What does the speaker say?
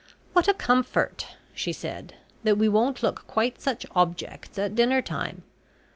"What a comfort," she said, "that we won't look quite such objects at dinner time!